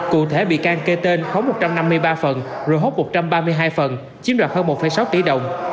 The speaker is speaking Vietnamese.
cụ thể bị can kê tên khống một trăm năm mươi ba phần rồi hốt một trăm ba mươi hai phần chiếm đoạt hơn một sáu tỷ đồng